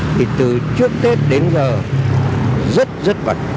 thì từ trước tết đến giờ rất rất vật